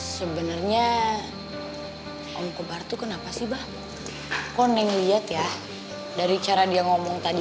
sebenarnya om kobar tuh kenapa sih bah aku neng lihat ya dari cara dia ngomong tadi